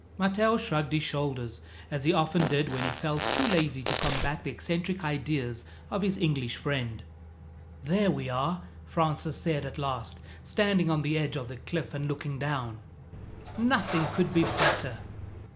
Matteo shrugged his shoulders, as he often did when he felt too lazy to combat the eccentric ideas of his English friend. "There we are," Francis said at last, standing on the edge of the cliff and looking down. "Nothing could be better."